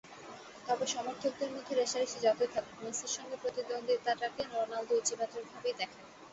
তবে সমর্থকদের মধ্যে রেষারেষি যতই থাকুক, মেসির সঙ্গে প্রতিদ্বন্দ্বিতাটাকে রোনালদো ইতিবাচকভাবেই দেখেন।